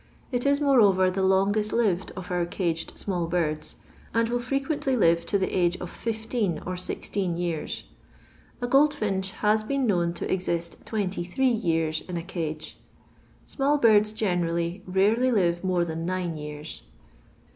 It is, moreover, the longest lived of our caged small birds, and will frequently live to the age of fifteen or sixteen years. A goldfinch has been known to exist twenty three years in a cage. Small birds, gene rally, rarely live more than nine years.